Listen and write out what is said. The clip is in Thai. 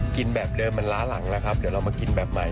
แบบเดิมมันล้าหลังแล้วครับเดี๋ยวเรามากินแบบใหม่